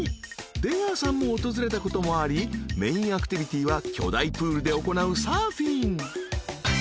［出川さんも訪れたこともありメインアクティビティは巨大プールで行うサーフィン］